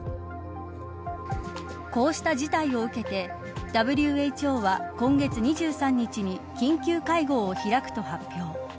こうした事態を受けてＷＨＯは、今月２３日に緊急会合を開くと発表。